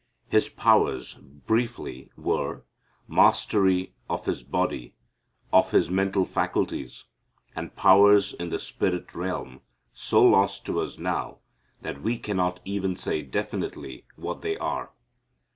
His powers, briefly, were, mastery of his body, of his mental faculties, and powers in the spirit realm so lost to us now that we cannot even say definitely what they are.